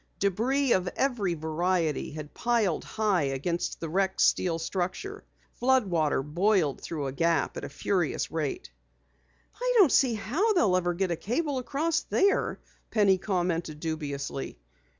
Debris of every variety had piled high against the wrecked steel structure. Flood water boiled through the gap at a furious rate. "I don't see how they'll ever get a cable across there," Penny commented dubiously.